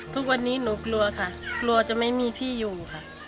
ทุกวันนี้หนูกลัวค่ะกลัวจะไม่มีพี่อยู่ค่ะ